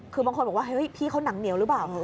คือบางคนบอกว่าเฮ้ยพี่เขาหนังเหนียวหรือเปล่า